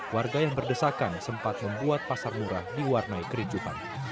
warga yang berdesakan sempat membuat pasar murah diwarnai kericupan